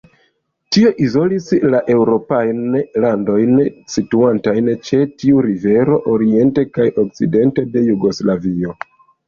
Tio izolis la eŭropajn landojn, situantajn ĉe tiu rivero, oriente kaj okcidente de Jugoslavio.